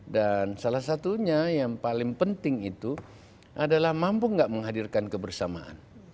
dan salah satunya yang paling penting itu adalah mampu tidak menghadirkan kebersamaan